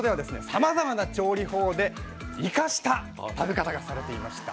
さまざまな調理法で「イカ」した食べ方がされていました。